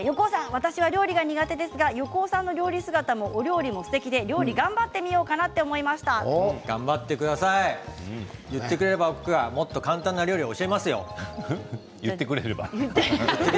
私は料理が苦手ですが横尾さんの料理姿もお料理もすてきでお料理頑張って頑張ってください、言ってくれれば僕もっと簡単な料理を教えますよ。